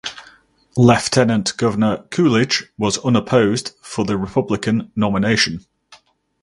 Lieutenant Governor Coolidge was unopposed for the Republican nomination.